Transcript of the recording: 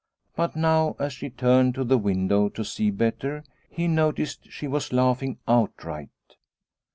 But now as she turned to the window to see better, he noticed she was laughing outright.